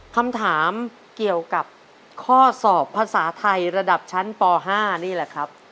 คำถามเกี่ยวกับข้อสอบภาษาไทยระดับชั้นป๕นี่แหละครับ